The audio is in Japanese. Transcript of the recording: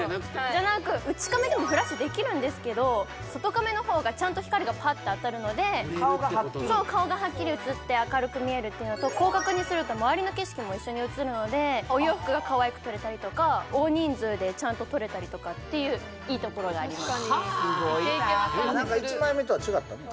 じゃなく内カメでもフラッシュできるんですけど外カメの方がちゃんと光がパッて当たるので顔がはっきり顔がはっきり写って明るく見えるっていうのと広角にすると周りの景色も一緒に写るのでお洋服がかわいく撮れたりとか大人数でちゃんと撮れたりとかっていういいところがありますなんか１枚目とは違ったね